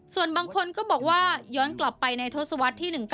ส่วนบางคนก็บอกว่าย้อนกลับไปในทศวรรษที่๑๙